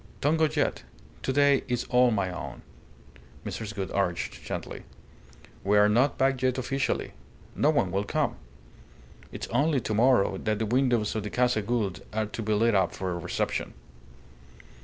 "Don't go yet. To day is all my own," Mrs. Gould urged, gently. "We are not back yet officially. No one will come. It's only to morrow that the windows of the Casa Gould are to be lit up for a reception."